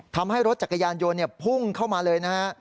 ทำให้รถจักรยานยนต์พุ่งเข้ามาเลยนะฮะ